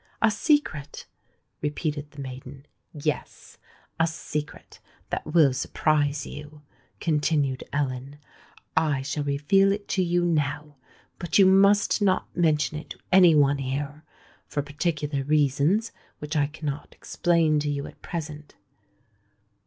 "A secret!" repeated the maiden. "Yes—a secret that will surprise you," continued Ellen. "I shall reveal it to you now; but you must not mention it to any one here—for particular reasons which I cannot explain to you at present.